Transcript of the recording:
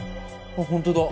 あっ本当だ。